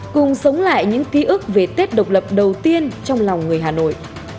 cùng sống lại những ký ức về tết độc lập đầu tiên trong lòng người hà nội